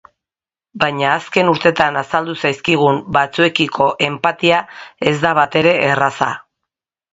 Baina azken urtetan azaldu zaizkigun batzuekiko enpatia ez da batere erraza.